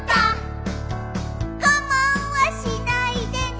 「がまんはしないでね」